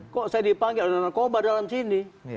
kok saya dipanggil ada narkoba dalam sini